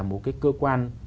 một cái cơ quan